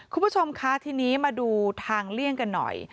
คุณผู้ชมคะทีนี้มาดูทางเลี่ยงกันหน่อย